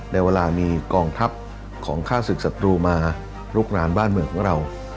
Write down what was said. ในเวลามีกองทัพของค่าศึกศัตรูมาลุกรานบ้านเมืองของเรา